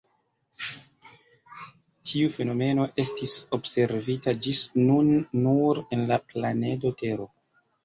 Tiu fenomeno estis observita ĝis nun nur en la planedo Tero.